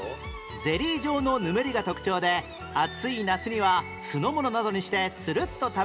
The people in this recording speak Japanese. ゼリー状のぬめりが特徴で暑い夏には酢の物などにしてツルッと食べると絶品！